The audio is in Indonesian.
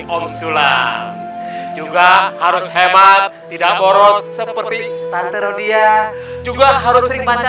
om sulawesi juga harus hemat tidak boros seperti tante rodia juga harus sering baca